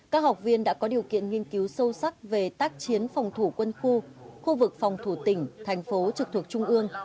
các học viên đã có điều kiện nghiên cứu sâu sắc về tác chiến phòng thủ quân khu khu vực phòng thủ tỉnh thành phố trực thuộc trung ương